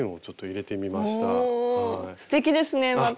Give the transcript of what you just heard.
おおすてきですねまた。